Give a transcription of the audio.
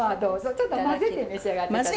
ちょっと混ぜて召し上がって下さい。